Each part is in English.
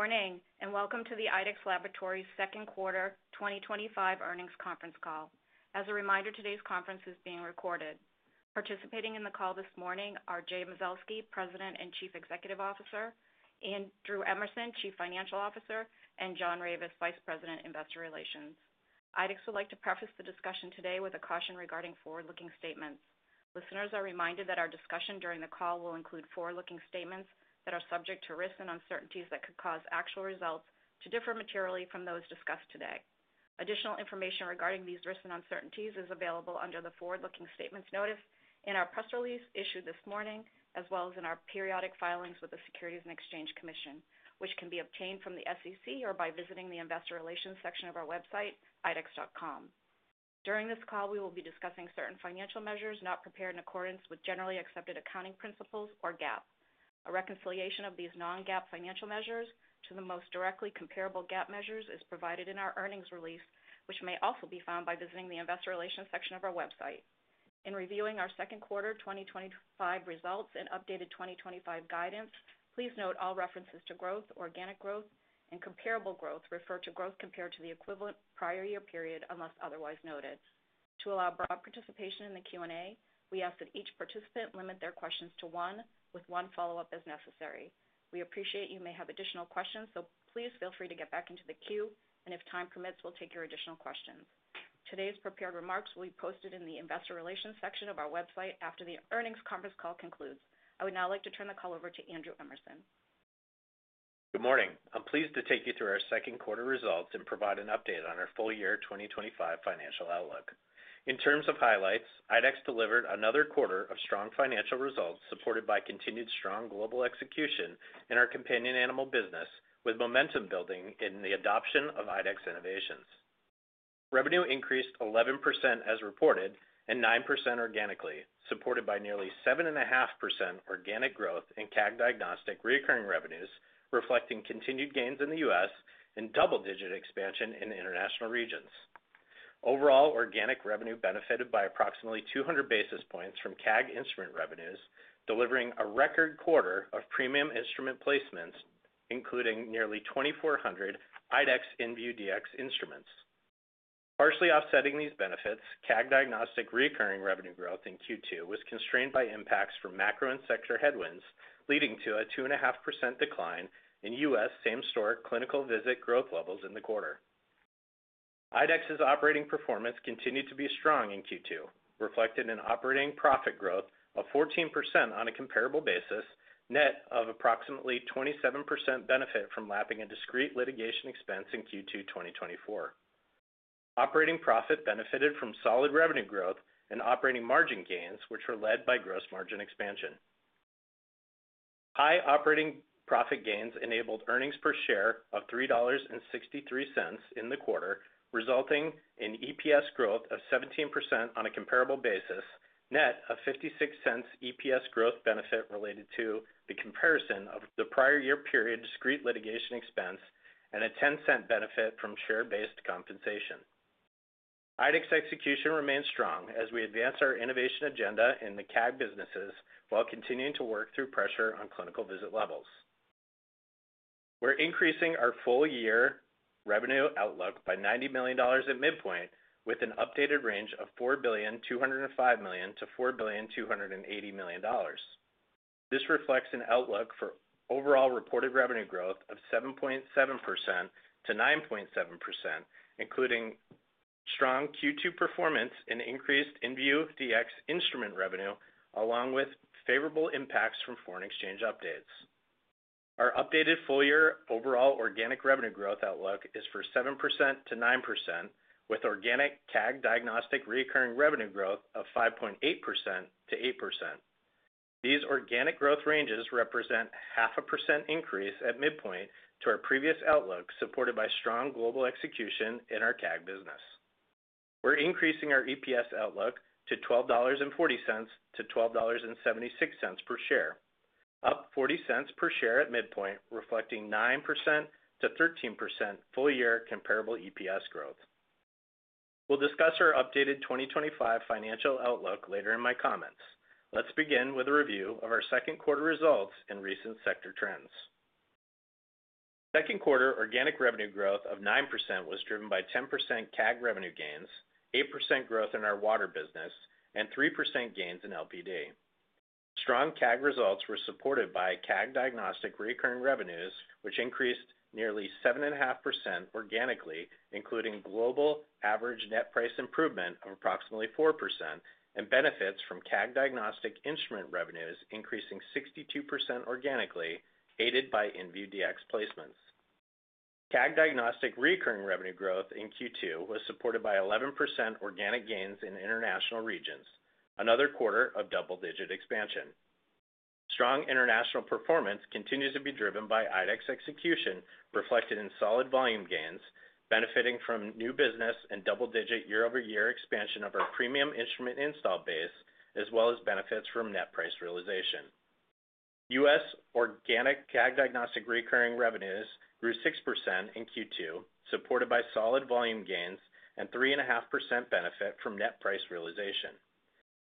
Morning and welcome to the IDEXX Laboratories second quarter 2025 earnings conference call. As a reminder, today's conference is being recorded. Participating in the call this morning are Jay Mazelsky, President and Chief Executive Officer, Andrew Emerson, Chief Financial Officer, and John Ravis, Vice President, Investor Relations. IDEXX would like to preface the discussion today with a caution regarding forward-looking statements. Listeners are reminded that our discussion during the call will include forward-looking statements that are subject to risks and uncertainties that could cause actual results to differ materially from those discussed today. Additional information regarding these risks and uncertainties is available under the forward-looking statements notice in our press release issued this morning, as well as in our periodic filings with the Securities and Exchange Commission, which can be obtained from the SEC or by visiting the Investor Relations section of our website, idexx.com. During this call, we will be discussing certain financial measures not prepared in accordance with generally accepted accounting principles or GAAP. A reconciliation of these non-GAAP financial measures to the most directly comparable GAAP measures is provided in our earnings release, which may also be found by visiting the Investor Relations section of our website. In reviewing our second quarter 2025 results and updated 2025 guidance, please note all references to growth, organic growth, and comparable growth refer to growth compared to the equivalent prior year period unless otherwise noted. To allow broad participation in the Q&A, we ask that each participant limit their questions to one, with one follow-up as necessary. We appreciate you may have additional questions, so please feel free to get back into the queue, and if time permits, we'll take your additional questions. Today's prepared remarks will be posted in the Investor Relations section of our website after the earnings conference call concludes. I would now like to turn the call over to Andrew Emerson. Good morning. I'm pleased to take you through our second quarter results and provide an update on our full-year 2025 financial outlook. In terms of highlights, IDEXX Laboratories delivered another quarter of strong financial results supported by continued strong global execution in our Companion Animal business, with momentum building in the adoption of IDEXX innovations. Revenue increased 11% as reported and 9% organically, supported by nearly 7.5% organic growth in CAG diagnostic recurring revenues, reflecting continued gains in the U.S. and double-digit expansion in international regions. Overall, organic revenue benefited by approximately 200 basis points from CAG instrument revenues, delivering a record quarter of premium instrument placements, including nearly 2,400 IDEXX inVue Dx instruments. Partially offsetting these benefits, CAG diagnostic recurring revenue growth in Q2 was constrained by impacts from macroeconomic and sector headwinds, leading to a 2.5% decline in U.S. same-store clinical visit growth levels in the quarter. IDEXX's operating performance continued to be strong in Q2, reflected in operating profit growth of 14% on a comparable basis, net of approximately 27% benefit from lapping a discrete litigation expense in Q2 2024. Operating profit benefited from solid revenue growth and operating margin gains, which were led by gross margin expansion. High operating profit gains enabled earnings per share of $3.63 in the quarter, resulting in EPS growth of 17% on a comparable basis, net of $0.56 EPS growth benefit related to the comparison of the prior year period discrete litigation expense and a $0.10 benefit from share-based compensation. IDEXX execution remains strong as we advance our innovation agenda in the CAG businesses while continuing to work through pressure on clinical visit levels. We're increasing our full-year revenue outlook by $90 million at midpoint, with an updated range of $4,205 million-$4,280 million. This reflects an outlook for overall reported revenue growth of 7.7% to 9.7%, including strong Q2 performance and increased inVue Dx instrument revenue, along with favorable impacts from foreign exchange updates. Our updated full-year overall organic revenue growth outlook is for 7% to 9%, with organic CAG diagnostic recurring revenue growth of 5.8% to 8%. These organic growth ranges represent a 0.5% increase at midpoint to our previous outlook, supported by strong global execution in our CAG business. We're increasing our EPS outlook to $12.40 to $12.76 per share, up $0.40 per share at midpoint, reflecting 9% to 13% full-year comparable EPS growth. We'll discuss our updated 2025 financial outlook later in my comments. Let's begin with a review of our second quarter results and recent sector trends. Second quarter organic revenue growth of 9% was driven by 10% CAG revenue gains, 8% growth in our water business, and 3% gains in LPD. Strong CAG results were supported by CAG diagnostic recurring revenues, which increased nearly 7.5% organically, including global average net price improvement of approximately 4% and benefits from CAG diagnostic instrument revenues increasing 62% organically, aided by inVue Dx placements. CAG diagnostic recurring revenue growth in Q2 was supported by 11% organic gains in international regions, another quarter of double-digit expansion. Strong international performance continues to be driven by IDEXX Laboratories execution, reflected in solid volume gains, benefiting from new business and double-digit year-over-year expansion of our premium instrument install base, as well as benefits from net price realization. U.S. organic CAG diagnostic recurring revenues grew 6% in Q2, supported by solid volume gains and 3.5% benefit from net price realization.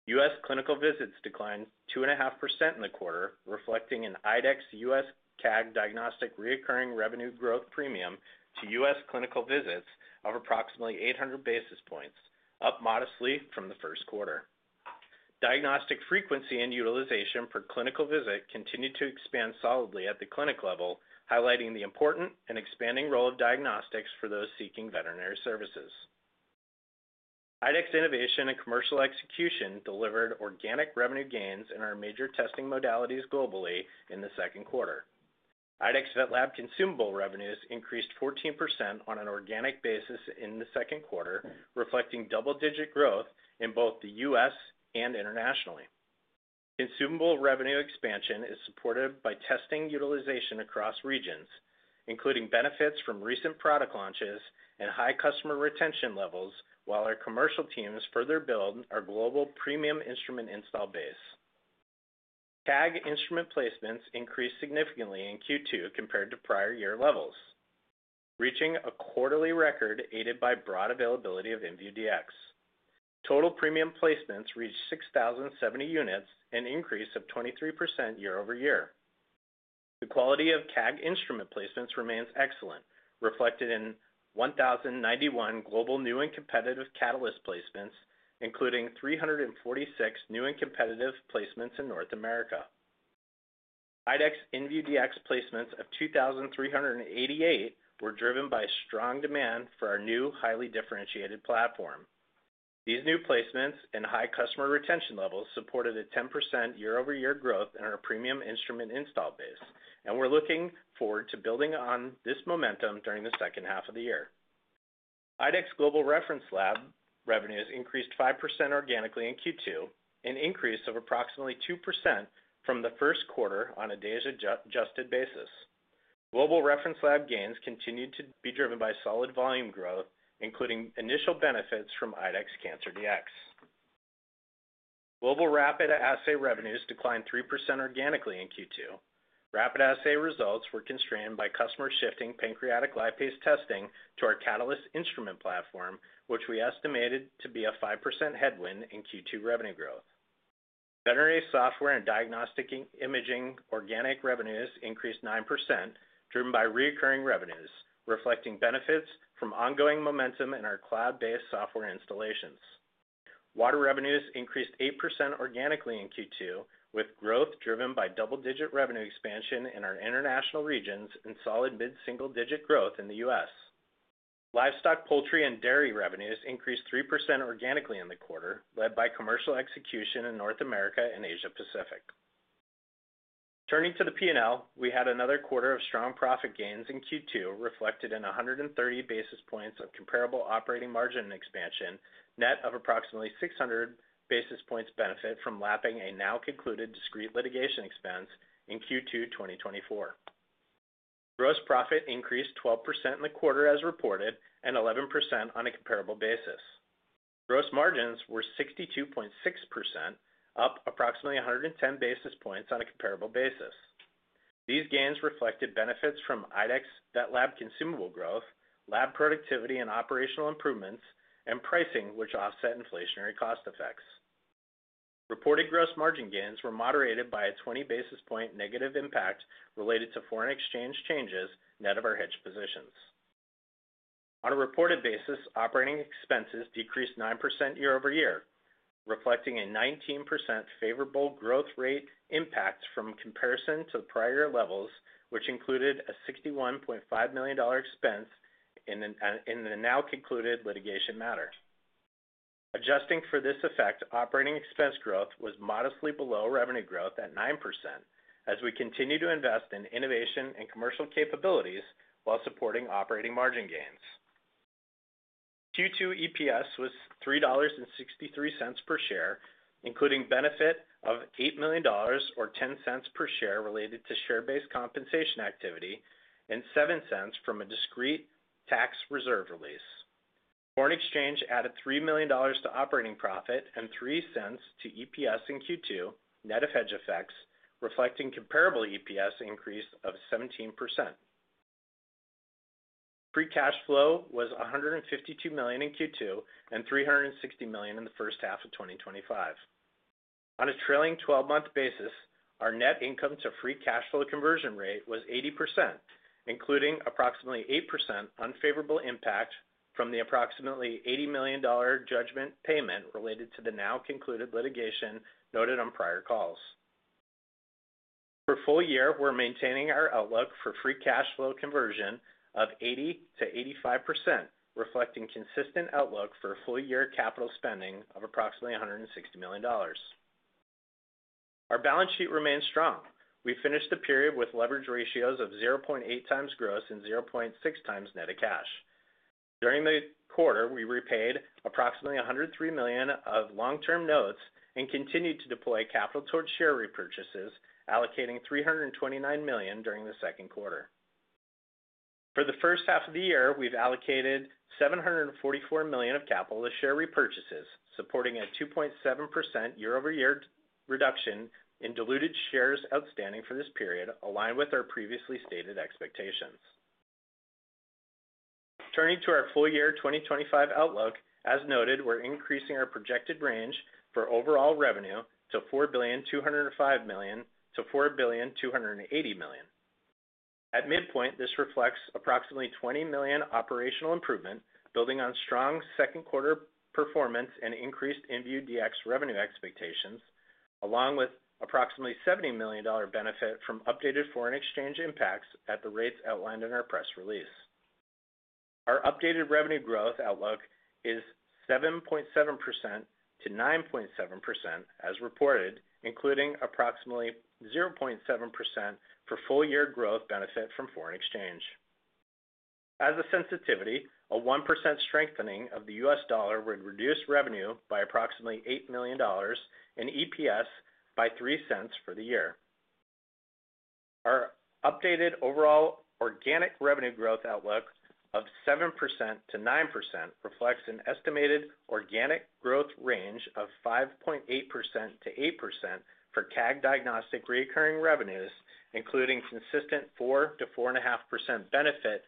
U.S. clinical visits declined 2.5% in the quarter, reflecting an IDEXX U.S. CAG diagnostic recurring revenue growth premium to U.S. clinical visits of approximately 800 basis points, up modestly from the first quarter. Diagnostic frequency and utilization for clinical visits continued to expand solidly at the clinic level, highlighting the important and expanding role of diagnostics for those seeking veterinary services. IDEXX innovation and commercial execution delivered organic revenue gains in our major testing modalities globally in the second quarter. IDEXX VetLab consumable revenues increased 14% on an organic basis in the second quarter, reflecting double-digit growth in both the U.S. and internationally. Consumable revenue expansion is supported by testing utilization across regions, including benefits from recent product launches and high customer retention levels, while our commercial teams further build our global premium instrument install base. CAG instrument placements increased significantly in Q2 compared to prior year levels, reaching a quarterly record aided by broad availability of inVue Dx. Total premium placements reached 6,070 units, an increase of 23% year-over-year. The quality of CAG instrument placements remains excellent, reflected in 1,091 global new and competitive Catalyst placements, including 346 new and competitive placements in North America. IDEXX inVue Dx placements of 2,388 were driven by strong demand for our new highly differentiated platform. These new placements and high customer retention levels supported a 10% year-over-year growth in our premium instrument install base, and we're looking forward to building on this momentum during the second half of the year. IDEXX Global Reference Lab revenues increased 5% organically in Q2, an increase of approximately 2% from the first quarter on a data-adjusted basis. Global Reference Lab gains continued to be driven by solid volume growth, including initial benefits from IDEXX Cancer Dx. Global Rapid Assay revenues declined 3% organically in Q2. Rapid Assay results were constrained by customers shifting pancreatic lipase testing to our Catalyst instrument platform, which we estimated to be a 5% headwind in Q2 revenue growth. Veterinary software and diagnostic imaging organic revenues increased 9%, driven by recurring revenues, reflecting benefits from ongoing momentum in our cloud-based software installations. Water revenues increased 8% organically in Q2, with growth driven by double-digit revenue expansion in our international regions and solid mid-single-digit growth in the U.S. Livestock, poultry, and dairy revenues increased 3% organically in the quarter, led by commercial execution in North America and Asia Pacific. Turning to the P&L, we had another quarter of strong profit gains in Q2, reflected in 130 basis points of comparable operating margin expansion, net of approximately 600 basis points benefit from lapping a now concluded discrete litigation expense in Q2 2024. Gross profit increased 12% in the quarter as reported and 11% on a comparable basis. Gross margins were 62.6%, up approximately 110 basis points on a comparable basis. These gains reflected benefits from IDEXX VetLab consumable growth, lab productivity and operational improvements, and pricing, which offset inflationary cost effects. Reported gross margin gains were moderated by a 20 basis point negative impact related to foreign exchange changes, net of our hedge positions. On a reported basis, operating expenses decreased 9% year-over-year, reflecting a 19% favorable growth rate impact from comparison to prior year levels, which included a $61.5 million expense in the now concluded litigation matter. Adjusting for this effect, operating expense growth was modestly below revenue growth at 9%, as we continue to invest in innovation and commercial capabilities while supporting operating margin gains. Q2 EPS was $3.63 per share, including benefit of $8 million or $0.10 per share related to share-based compensation activity and $0.07 from a discrete tax reserve release. Foreign exchange added $3 million to operating profit and $0.03 to EPS in Q2, net of hedge effects, reflecting comparable EPS increase of 17%. Free cash flow was $152 million in Q2 and $360 million in the first half of 2025. On a trailing 12-month basis, our net income to free cash flow conversion rate was 80%, including approximately 8% unfavorable impact from the approximately $80 million judgment payment related to the now concluded litigation noted on prior calls. For full year, we're maintaining our outlook for free cash flow conversion of 80%-85%, reflecting consistent outlook for full year capital spending of approximately $160 million. Our balance sheet remains strong. We finished the period with leverage ratios of 0.8x gross and 0.6x net of cash. During the quarter, we repaid approximately $103 million of long-term notes and continued to deploy capital towards share repurchases, allocating $329 million during the second quarter. For the first half of the year, we've allocated $744 million of capital to share repurchases, supporting a 2.7% year-over-year reduction in diluted shares outstanding for this period, aligned with our previously stated expectations. Turning to our full-year 2025 outlook, as noted, we're increasing our projected range for overall revenue to $4,205 million-$4,280 million. At midpoint, this reflects approximately $20 million operational improvement, building on strong second quarter performance and increased inVue Dx revenue expectations, along with approximately $70 million benefit from updated foreign exchange impacts at the rates outlined in our press release. Our updated revenue growth outlook is 7.7% to 9.7% as reported, including approximately 0.7% for full year growth benefit from foreign exchange. As a sensitivity, a 1% strengthening of the U.S. dollar would reduce revenue by approximately $8 million and EPS by $0.03 for the year. Our updated overall organic revenue growth outlook of 7% to 9% reflects an estimated organic growth range of 5.8%-8% for CAG diagnostic recurring revenues, including consistent 4%-4.5% benefit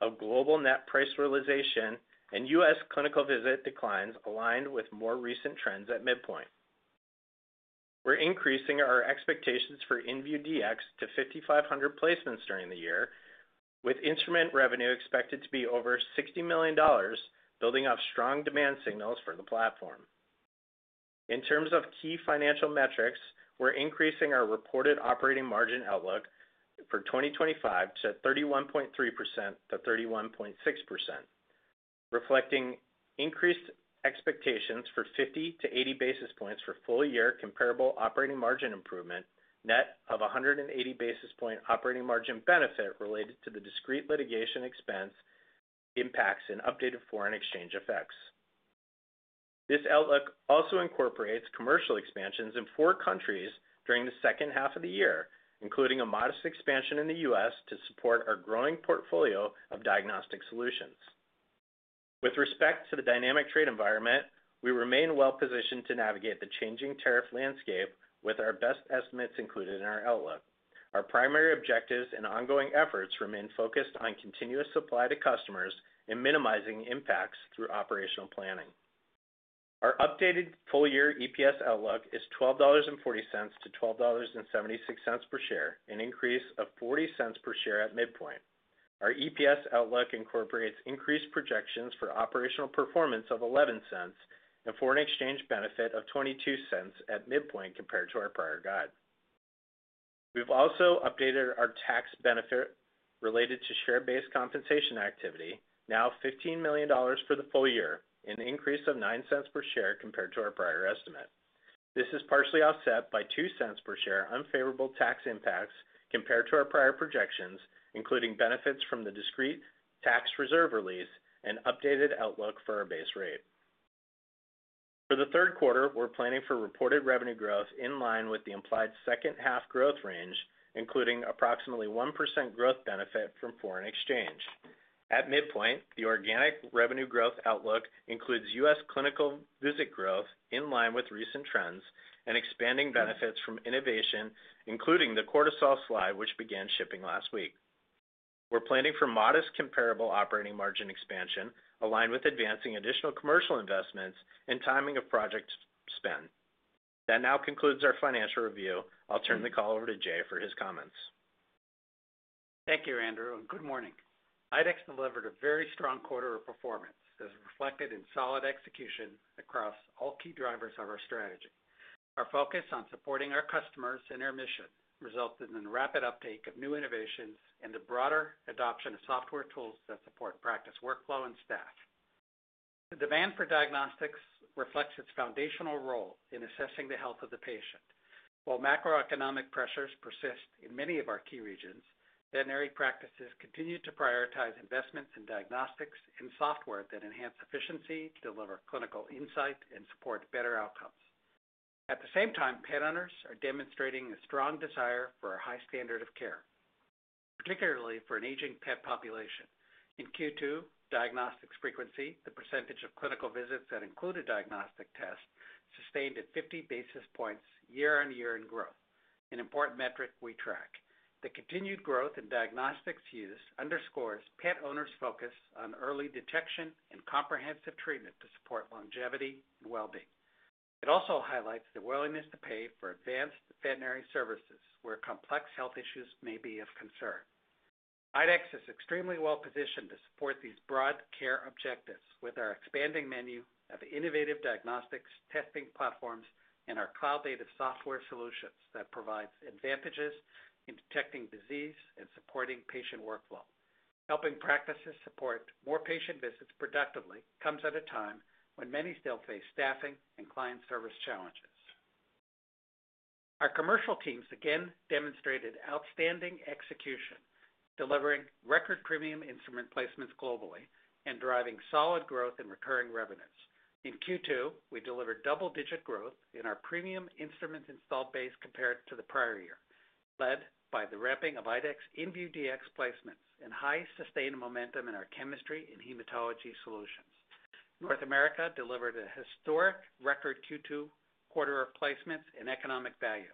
of global net price realization and U.S. clinical visit declines, aligned with more recent trends at midpoint. We're increasing our expectations for inVue Dx to 5,500 placements during the year, with instrument revenue expected to be over $60 million, building off strong demand signals for the platform. In terms of key financial metrics, we're increasing our reported operating margin outlook for 2025 to 31.3% to 31.6%, reflecting increased expectations for 50 to 80 basis points for full year comparable operating margin improvement, net of 180 basis point operating margin benefit related to the discrete litigation expense impacts and updated foreign exchange effects. This outlook also incorporates commercial expansions in four countries during the second half of the year, including a modest expansion in the U.S. to support our growing portfolio of diagnostic solutions. With respect to the dynamic trade environment, we remain well positioned to navigate the changing tariff landscape with our best estimates included in our outlook. Our primary objectives and ongoing efforts remain focused on continuous supply to customers and minimizing impacts through operational planning. Our updated full-year EPS outlook is $12.40 to $12.76 per share, an increase of $0.40 per share at midpoint. Our EPS outlook incorporates increased projections for operational performance of $0.11 and foreign exchange benefit of $0.22 at midpoint compared to our prior guide. We've also updated our tax benefit related to share-based compensation activity, now $15 million for the full year, an increase of $0.09 per share compared to our prior estimate. This is partially offset by $0.02 per share unfavorable tax impacts compared to our prior projections, including benefits from the discrete tax reserve release and updated outlook for our base rate. For the third quarter, we're planning for reported revenue growth in line with the implied second half growth range, including approximately 1% growth benefit from foreign exchange. At midpoint, the organic revenue growth outlook includes U.S. clinical visit growth in line with recent trends and expanding benefits from innovation, including the cortisol slide, which began shipping last week. We're planning for modest comparable operating margin expansion, aligned with advancing additional commercial investments and timing of project spend. That now concludes our financial review. I'll turn the call over to Jay for his comments. Thank you, Andrew, and good morning. IDEXX delivered a very strong quarter of performance as reflected in solid execution across all key drivers of our strategy. Our focus on supporting our customers and our mission resulted in a rapid uptake of new innovations and the broader adoption of software tools that support practice workflow and staff. The demand for diagnostics reflects its foundational role in assessing the health of the patient. While macroeconomic pressures persist in many of our key regions, veterinary practices continue to prioritize investments in diagnostics and software that enhance efficiency, deliver clinical insight, and support better outcomes. At the same time, pet owners are demonstrating a strong desire for a high standard of care, particularly for an aging pet population. In Q2, diagnostics frequency, the percentage of clinical visits that included diagnostic tests, sustained at 50 basis points year-on-year in growth, an important metric we track. The continued growth in diagnostics use underscores pet owners' focus on early detection and comprehensive treatment to support longevity and well-being. It also highlights the willingness to pay for advanced veterinary services where complex health issues may be of concern. IDEXX is extremely well positioned to support these broad care objectives with our expanding menu of innovative diagnostics testing platforms and our cloud-native software solutions that provide advantages in detecting disease and supporting patient workflow. Helping practices support more patient visits productively comes at a time when many still face staffing and client service challenges. Our commercial teams again demonstrated outstanding execution, delivering record premium instrument placements globally and driving solid growth in recurring revenues. In Q2, we delivered double-digit growth in our premium instruments installed base compared to the prior year, led by the wrapping of IDEXX inVue Dx placements and high sustained momentum in our chemistry and hematology solutions. North America delivered a historic record Q2 quarter of placements and economic value,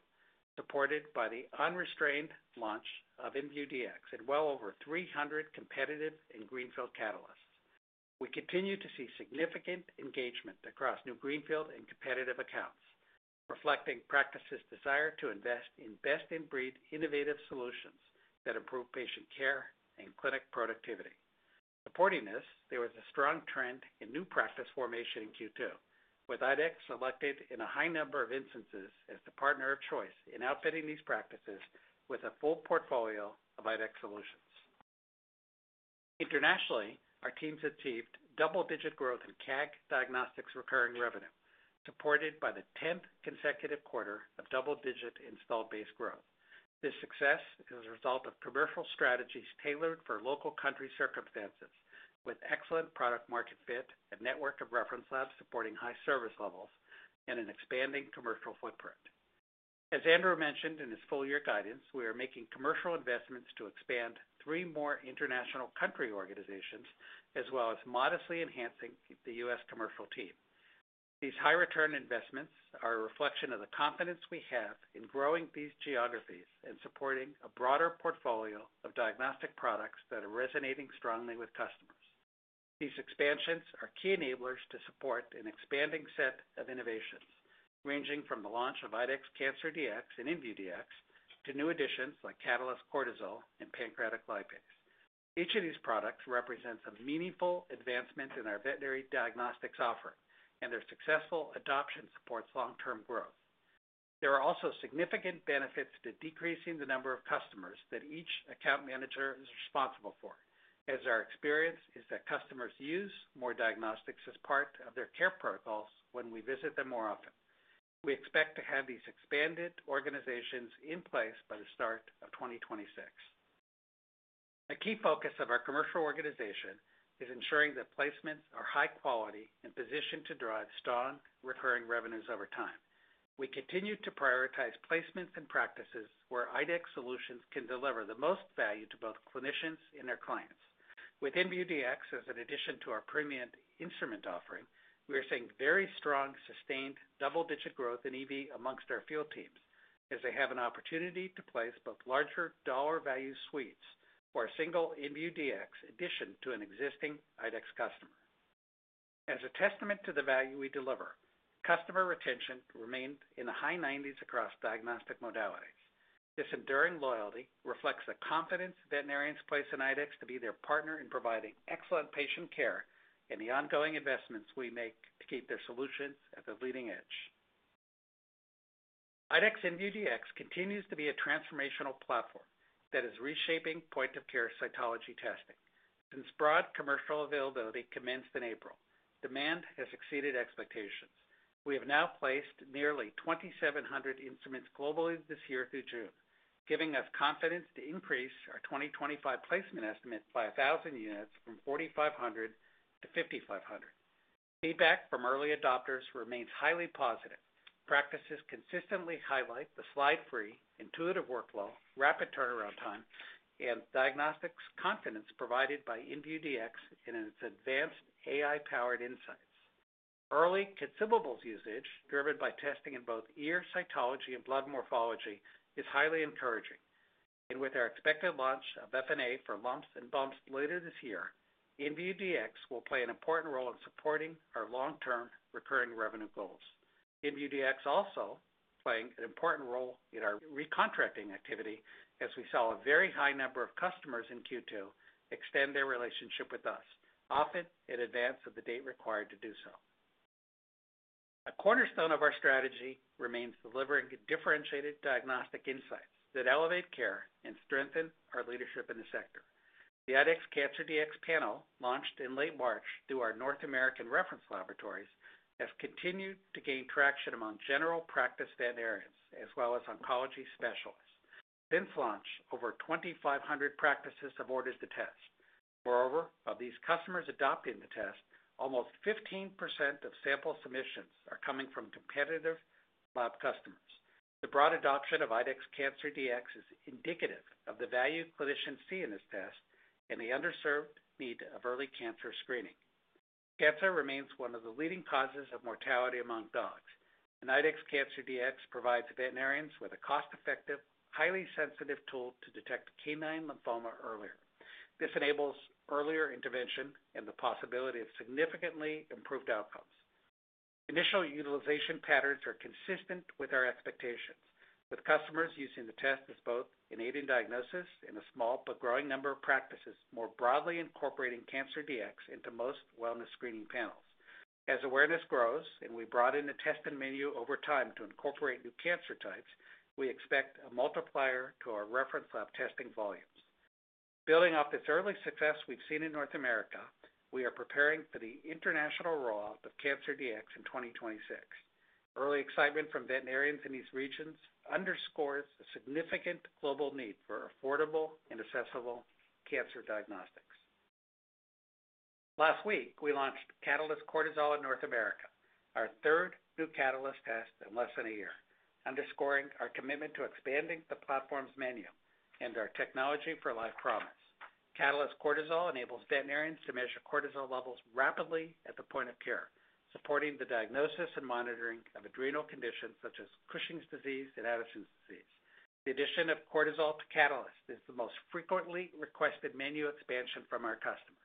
supported by the unrestrained launch of inVue Dx at well over 300 competitive and greenfield catalysts. We continue to see significant engagement across new greenfield and competitive accounts, reflecting practices' desire to invest in best-in-breed innovative solutions that improve patient care and clinic productivity. Supporting this, there was a strong trend in new practice formation in Q2, with IDEXX selected in a high number of instances as the partner of choice in outfitting these practices with a full portfolio of IDEXX solutions. Internationally, our teams achieved double-digit growth in CAG diagnostics recurring revenue, supported by the 10th consecutive quarter of double-digit installed base growth. This success is a result of commercial strategies tailored for local country circumstances, with excellent product-market fit, a network of reference labs supporting high service levels, and an expanding commercial footprint. As Andrew mentioned in his full-year guidance, we are making commercial investments to expand three more international country organizations, as well as modestly enhancing the U.S. commercial team. These high-return investments are a reflection of the confidence we have in growing these geographies and supporting a broader portfolio of diagnostic products that are resonating strongly with customers. These expansions are key enablers to support an expanding set of innovations, ranging from the launch of IDEXX Cancer Dx and inVue Dx to new additions like Catalyst Cortisol and Pancreatic Lipase. Each of these products represents a meaningful advancement in our veterinary diagnostics offering, and their successful adoption supports long-term growth. There are also significant benefits to decreasing the number of customers that each account manager is responsible for, as our experience is that customers use more diagnostics as part of their care protocols when we visit them more often. We expect to have these expanded organizations in place by the start of 2026. A key focus of our commercial organization is ensuring that placements are high quality and positioned to drive strong recurring revenues over time. We continue to prioritize placements and practices where IDEXX solutions can deliver the most value to both clinicians and their clients. With inVue Dx as an addition to our premium instrument offering, we are seeing very strong, sustained double-digit growth in EV amongst our field teams, as they have an opportunity to place both larger dollar value suites or a single inVue Dx addition to an existing IDEXX customer. As a testament to the value we deliver, customer retention remained in the high 90% across diagnostic modalities. This enduring loyalty reflects the confidence veterinarians place in IDEXX to be their partner in providing excellent patient care and the ongoing investments we make to keep their solutions at the leading edge. IDEXX inVue Dx continues to be a transformational platform that is reshaping point-of-care cytology testing. Since broad commercial availability commenced in April, demand has exceeded expectations. We have now placed nearly 2,700 instruments globally this year through June, giving us confidence to increase our 2025 placement estimate by 1,000 units from 4,500 to 5,500. Feedback from early adopters remains highly positive. Practices consistently highlight the slide-free, intuitive workflow, rapid turnaround time, and diagnostics confidence provided by inVue Dx and its advanced AI-powered insights. Early consumables usage, driven by testing in both ear cytology and blood morphology, is highly encouraging. With our expected launch of FNA for lumps and bumps later this year, inVue Dx will play an important role in supporting our long-term recurring revenue goals. inVue Dx is also playing an important role in our re-contracting activity, as we saw a very high number of customers in Q2 extend their relationship with us, often in advance of the date required to do so. A cornerstone of our strategy remains delivering differentiated diagnostic insights that elevate care and strengthen our leadership in the sector. The IDEXX Cancer Dx panel, launched in late March through our North American Reference Laboratories, has continued to gain traction among general practice veterinarians as well as oncology specialists. Since launch, over 2,500 practices have ordered the test. Moreover, of these customers adopting the test, almost 15% of sample submissions are coming from competitive lab customers. The broad adoption of IDEXX Cancer Dx is indicative of the value clinicians see in this test and the underserved need of early cancer screening. Cancer remains one of the leading causes of mortality among dogs, and IDEXX Cancer Dx provides veterinarians with a cost-effective, highly sensitive tool to detect canine lymphoma earlier. This enables earlier intervention and the possibility of significantly improved outcomes. Initial utilization patterns are consistent with our expectations, with customers using the test as both in aiding diagnosis and a small but growing number of practices more broadly incorporating Cancer Dx into most wellness screening panels. As awareness grows and we broaden the testing menu over time to incorporate new cancer types, we expect a multiplier to our reference lab testing volumes. Building off this early success we've seen in North America, we are preparing for the international rollout of Cancer Dx in 2026. Early excitement from veterinarians in these regions underscores a significant global need for affordable and accessible cancer diagnostics. Last week, we launched Catalyst Cortisol in North America, our third new Catalyst test in less than a year, underscoring our commitment to expanding the platform's menu and our technology for life promise. Catalyst Cortisol enables veterinarians to measure cortisol levels rapidly at the point of care, supporting the diagnosis and monitoring of adrenal conditions such as Cushing's disease and Addison's disease. The addition of cortisol to Catalyst is the most frequently requested menu expansion from our customers.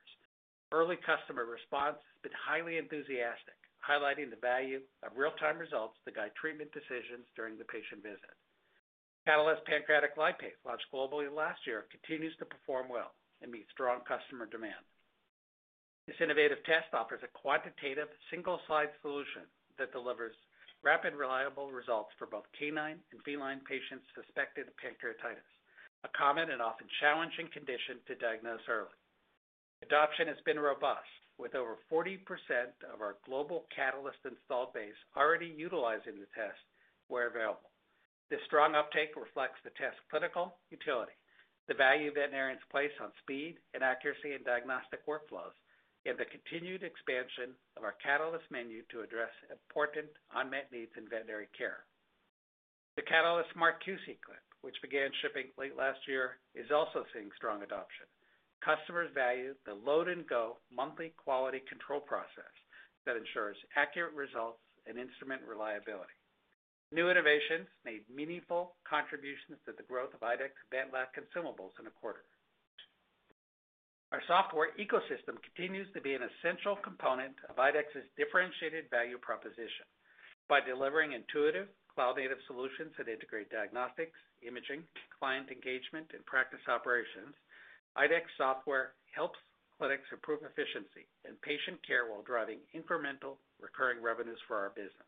Early customer response has been highly enthusiastic, highlighting the value of real-time results to guide treatment decisions during the patient visit. Catalyst Pancreatic Lipase, launched globally last year, continues to perform well and meets strong customer demand. This innovative test offers a quantitative single-slide solution that delivers rapid, reliable results for both canine and feline patients suspected of pancreatitis, a common and often challenging condition to diagnose early. Adoption has been robust, with over 40% of our global Catalyst install base already utilizing the test where available. This strong uptake reflects the test's clinical utility, the value veterinarians place on speed and accuracy in diagnostic workflows, and the continued expansion of our Catalyst menu to address important unmet needs in veterinary care. The Catalyst Smart QC clip, which began shipping late last year, is also seeing strong adoption. Customers value the load-and-go monthly quality control process that ensures accurate results and instrument reliability. New innovations made meaningful contributions to the growth of IDEXX VetLab consumables in a quarter. Our software ecosystem continues to be an essential component of IDEXX's differentiated value proposition. By delivering intuitive, cloud-native solutions that integrate diagnostics, imaging, client engagement, and practice operations, IDEXX software helps clinics improve efficiency and patient care while driving incremental recurring revenues for our business.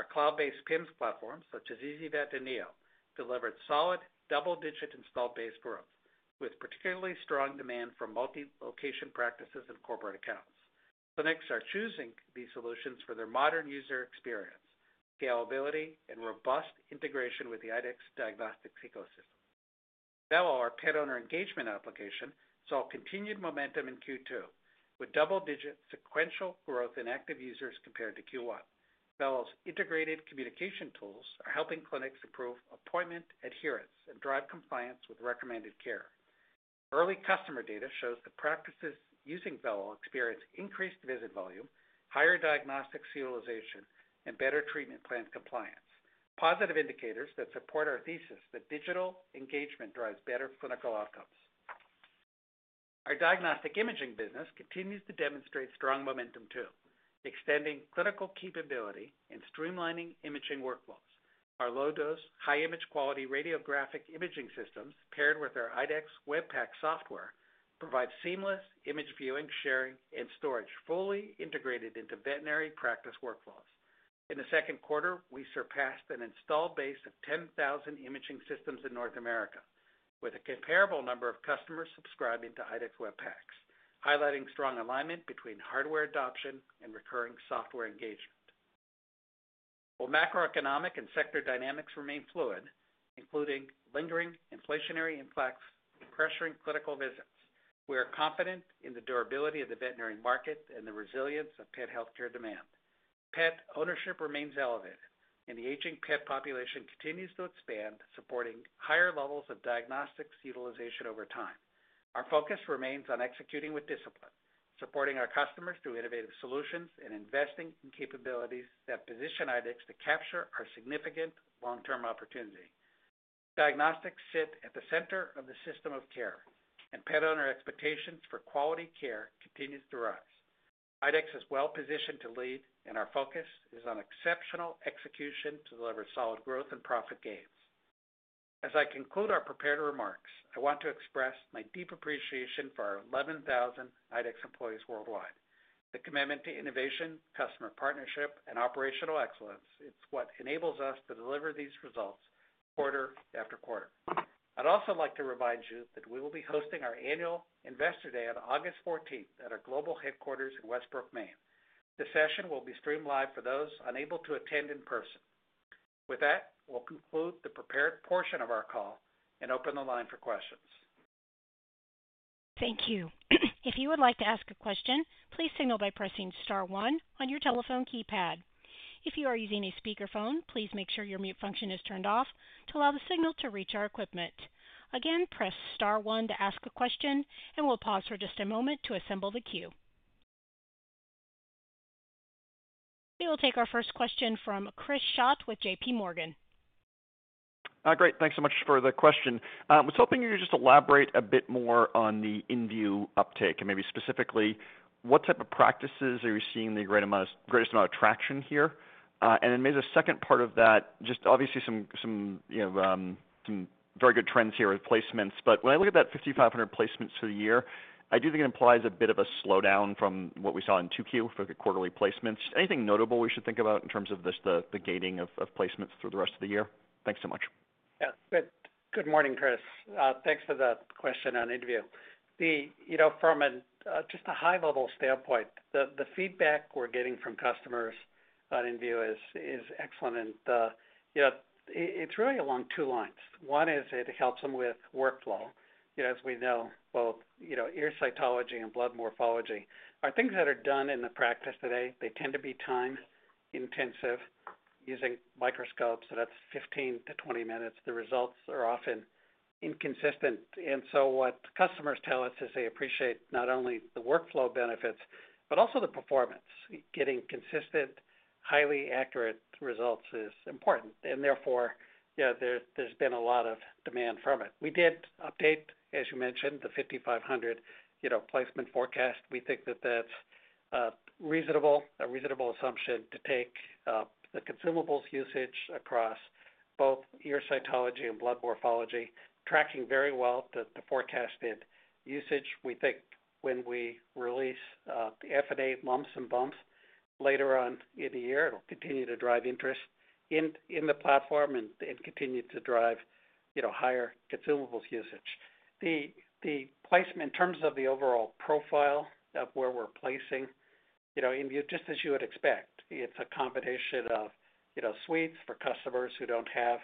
Our cloud-based PIMS platform, such as ezyVet and Neo, delivered solid double-digit installed base growth, with particularly strong demand from multi-location practices and corporate accounts. Clinics are choosing these solutions for their modern user experience, scalability, and robust integration with the IDEXX diagnostics ecosystem. Vello, our pet owner engagement application, saw continued momentum in Q2 with double-digit sequential growth in active users compared to Q1. Vello's integrated communication tools are helping clinics improve appointment adherence and drive compliance with recommended care. Early customer data shows that practices using Vello experience increased visit volume, higher diagnostics utilization, and better treatment plan compliance, positive indicators that support our thesis that digital engagement drives better clinical outcomes. Our diagnostic imaging business continues to demonstrate strong momentum too, extending clinical capability and streamlining imaging workflows. Our low-dose, high-image quality radiographic imaging systems, paired with our IDEXX Web PACS software, provide seamless image viewing, sharing, and storage, fully integrated into veterinary practice workflows. In the second quarter, we surpassed an install base of 10,000 imaging systems in North America, with a comparable number of customers subscribing to IDEXX Web PACS, highlighting strong alignment between hardware adoption and recurring software engagement. While macroeconomic and sector dynamics remain fluid, including lingering inflationary impacts and pressuring clinical visits, we are confident in the durability of the veterinary market and the resilience of pet healthcare demand. Pet ownership remains elevated, and the aging pet population continues to expand, supporting higher levels of diagnostics utilization over time. Our focus remains on executing with discipline, supporting our customers through innovative solutions, and investing in capabilities that position IDEXX to capture our significant long-term opportunity. Diagnostics sit at the center of the system of care, and pet owner expectations for quality care continue to rise. IDEXX is well positioned to lead, and our focus is on exceptional execution to deliver solid growth and profit gains. As I conclude our prepared remarks, I want to express my deep appreciation for our 11,000 IDEXX employees worldwide. The commitment to innovation, customer partnership, and operational excellence is what enables us to deliver these results quarter after quarter. I'd also like to remind you that we will be hosting our annual Investor Day on August 14th at our global headquarters in Westbrook, Maine. The session will be streamed live for those unable to attend in person. With that, we'll conclude the prepared portion of our call and open the line for questions. Thank you. If you would like to ask a question, please signal by pressing star one on your telephone keypad. If you are using a speakerphone, please make sure your mute function is turned off to allow the signal to reach our equipment. Again, press star one to ask a question, and we'll pause for just a moment to assemble the queue. We will take our first question from Chris Schott with JPMorgan. Great. Thanks so much for the question. I was hoping you could just elaborate a bit more on the inVue uptake and maybe specifically what type of practices are you seeing the greatest amount of traction here? The second part of that, obviously some very good trends here with placements. When I look at that 5,500 placements for the year, I do think it implies a bit of a slowdown from what we saw in Q2 for the quarterly placements. Anything notable we should think about in terms of just the gating of placements through the rest of the year? Thanks so much. Yeah, good morning, Chris. Thanks for that question on inVue. You know, from just a high-level standpoint, the feedback we're getting from customers on inVue is excellent. It's really along two lines. One is it helps them with workflow. You know, as we know, both ear cytology and blood morphology are things that are done in the practice today. They tend to be time-intensive, using microscopes, so that's 15-20 minutes. The results are often inconsistent. Customers tell us they appreciate not only the workflow benefits, but also the performance. Getting consistent, highly accurate results is important. Therefore, there's been a lot of demand for it. We did update, as you mentioned, the 5,500 placement forecast. We think that that's a reasonable assumption to take the consumables usage across both ear cytology and blood morphology, tracking very well the forecasted usage. We think when we release the FNA for lumps and bumps later on in the year, it'll continue to drive interest in the platform and continue to drive higher consumables usage. The placement in terms of the overall profile of where we're placing inVue, just as you would expect, it's a combination of suites for customers who don't have,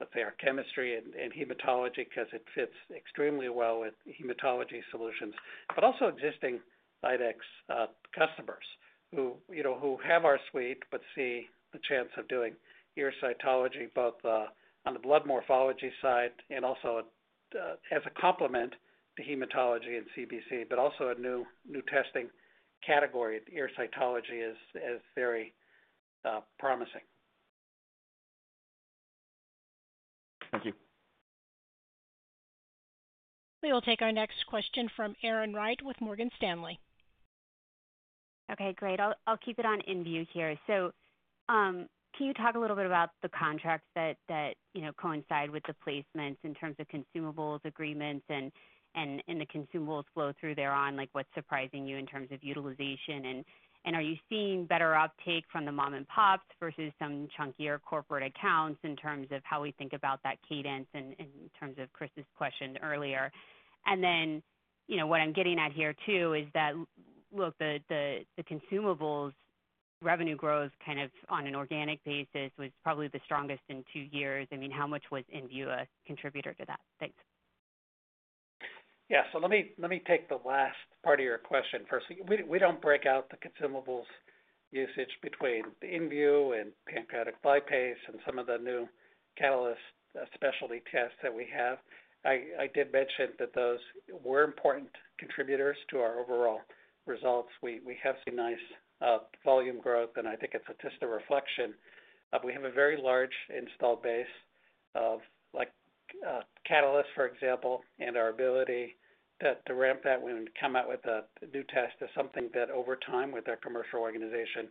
let's say, our chemistry and hematology because it fits extremely well with hematology solutions, but also existing IDEXX customers who have our suite but see the chance of doing ear cytology both on the blood morphology side and also as a complement to hematology and CBC, but also a new testing category. Ear cytology is very promising. Thank you. We will take our next question from Erin Wright with Morgan Stanley. Okay, great. I'll keep it on inVue here. Can you talk a little bit about the contracts that coincide with the placements in terms of consumables agreements and the consumables flow through thereon? What's surprising you in terms of utilization? Are you seeing better uptake from the mom-and-pops versus some chunkier corporate accounts in terms of how we think about that cadence and in terms of Chris's question earlier? What I'm getting at here too is that the consumables revenue growth kind of on an organic basis was probably the strongest in two years. I mean, how much was inVue a contributor to that? Thanks. Let me take the last part of your question first. We don't break out the consumables usage between inVue and Pancreatic Lipase and some of the new Catalyst specialty tests that we have. I did mention that those were important contributors to our overall results. We have seen nice volume growth, and I think it's just a reflection of we have a very large installed base of Catalyst, for example, and our ability to ramp that when we come out with a new test is something that over time with our commercial organization,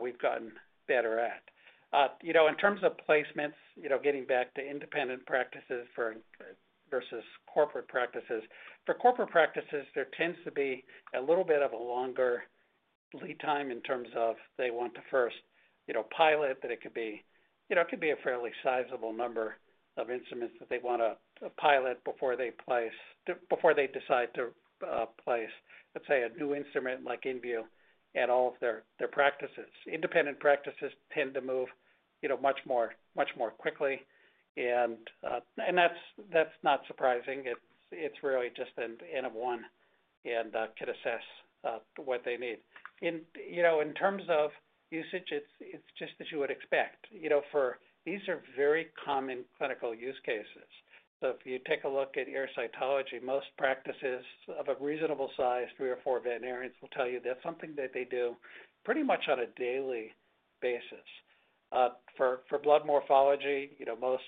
we've gotten better at. In terms of placements, getting back to independent practices versus corporate practices, for corporate practices, there tends to be a little bit of a longer lead time in terms of they want to first pilot that. It could be a fairly sizable number of instruments that they want to pilot before they decide to place, let's say, a new instrument like inVue at all of their practices. Independent practices tend to move much more quickly. That's not surprising. It's really just an end of one and could assess what they need. In terms of usage, it's just as you would expect. These are very common clinical use cases. If you take a look at ear cytology, most practices of a reasonable size, three or four veterinarians, will tell you that's something that they do pretty much on a daily basis. For blood morphology, most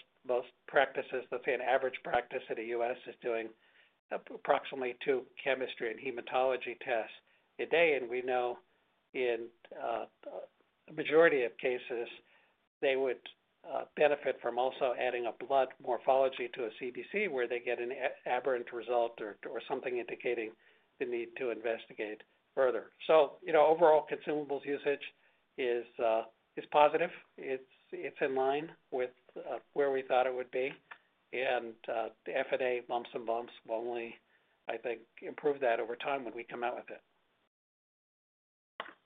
practices, let's say an average practice in the U.S., is doing approximately two chemistry and hematology tests a day. We know in the majority of cases, they would benefit from also adding a blood morphology to a CBC where they get an aberrant result or something indicating the need to investigate further. Overall consumables usage is positive. It's in line with where we thought it would be. The FNA for lumps and bumps will only, I think, improve that over time when we come out with it.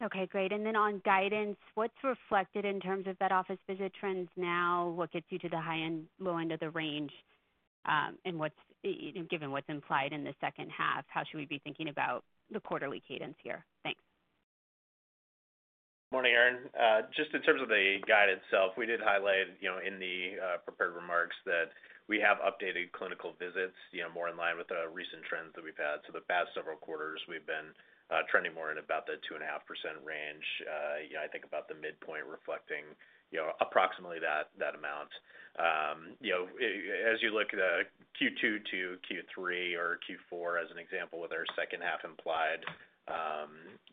Okay, great. On guidance, what's reflected in terms of vet office visit trends now? What gets you to the high end, low end of the range? Given what's implied in the second half, how should we be thinking about the quarterly cadence here? Thanks. Morning, Erin. Just in terms of the guide itself, we did highlight in the prepared remarks that we have updated clinical visits, more in line with the recent trends that we've had. The past several quarters, we've been trending more in about the 2.5% range. I think about the midpoint reflecting approximately that amount. As you look at Q2 to Q3 or Q4 as an example with our second half implied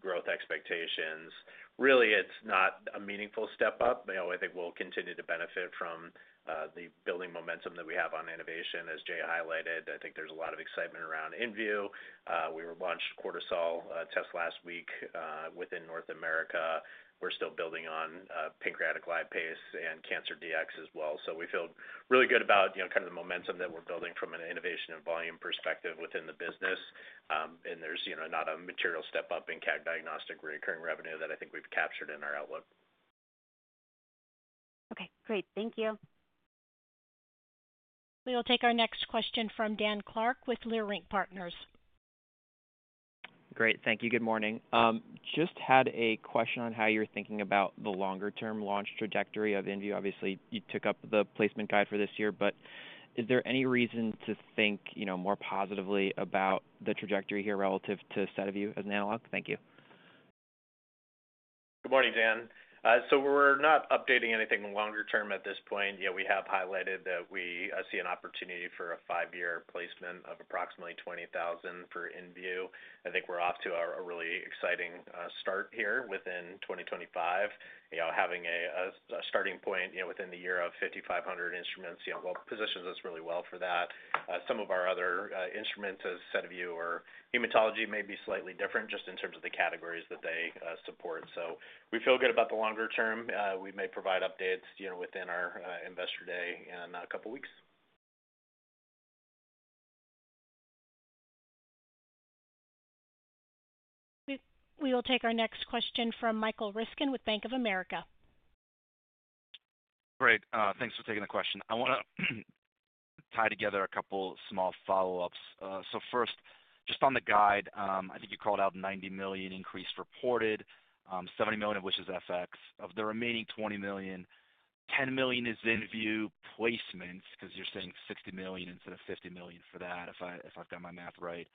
growth expectations, really, it's not a meaningful step up. I think we'll continue to benefit from the building momentum that we have on innovation, as Jay highlighted. I think there's a lot of excitement around inVue. We launched Cortisol tests last week within North America. We're still building on Pancreatic Lipase and Cancer Dx as well. We feel really good about the momentum that we're building from an innovation and volume perspective within the business. There's not a material step up in CAG diagnostic recurring revenue that I think we've captured in our outlook. Okay, great. Thank you. We will take our next question from Dan Clark with Leerink Partners. Great, thank you. Good morning. Just had a question on how you're thinking about the longer-term launch trajectory of inVue. Obviously, you took up the placement guide for this year, but is there any reason to think more positively about the trajectory here relative to SediVue as an analog? Thank you. Good morning, Dan. We're not updating anything longer-term at this point. We have highlighted that we see an opportunity for a five-year placement of approximately $20,000 for inVue. I think we're off to a really exciting start here within 2025. Having a starting point within the year of 5,500 instruments positions us really well for that. Some of our other instruments, as SediVue or hematology, may be slightly different just in terms of the categories that they support. We feel good about the longer term. We may provide updates within our Investor Day in a couple of weeks. We will take our next question from Michael Ryskin with Bank of America. Great. Thanks for taking the question. I want to tie together a couple small follow-ups. First, just on the guide, I think you called out $90 million increased reported, $70 million of which is FX. Of the remaining $20 million, $10 million is inVue placements because you're saying $60 million instead of $50 million for that, if I've got my math right.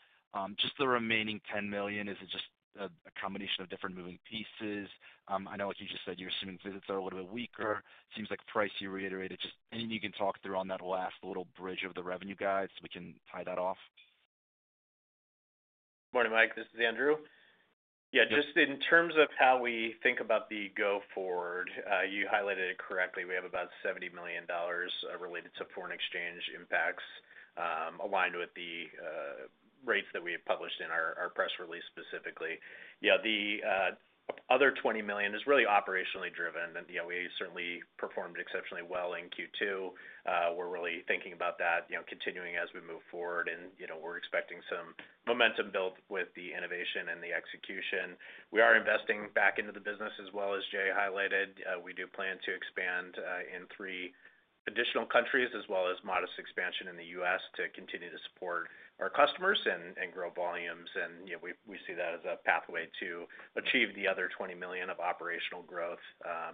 The remaining $10 million, is it just a combination of different moving pieces? I know like you just said, you're assuming visits are a little bit weaker. Seems like price you reiterated. Anything you can talk through on that last little bridge of the revenue guide so we can tie that off. Morning, Mike. This is Andrew. Yeah, just in terms of how we think about the go forward, you highlighted it correctly. We have about $70 million related to foreign exchange impacts aligned with the rates that we have published in our press release specifically. The other $20 million is really operationally driven. Yeah, we certainly performed exceptionally well in Q2. We're really thinking about that continuing as we move forward. We're expecting some momentum built with the innovation and the execution. We are investing back into the business as well as Jay highlighted. We do plan to expand in three additional countries, as well as modest expansion in the U.S. to continue to support our customers and grow volumes. We see that as a pathway to achieve the other $20 million of operational growth